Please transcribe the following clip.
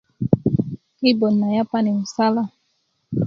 I bot na yapani musala